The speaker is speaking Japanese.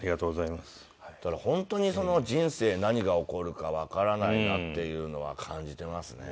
だから本当に人生何が起こるかわからないなっていうのは感じていますね。